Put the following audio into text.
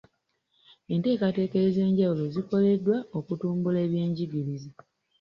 Enteekateeka ez'enjawulo zikoleddwa okutumbula ebyenjigiriza.